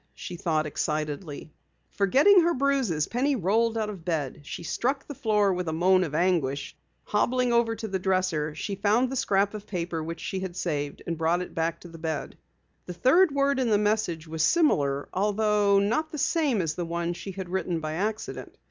she thought excitedly. Forgetting her bruises, Penny rolled out of bed. She struck the floor with a moan of anguish. Hobbling over to the dresser, she found the scrap of paper which she had saved, and brought it back to the bed. The third word in the message was similar, although not the same as the one she had written by accident.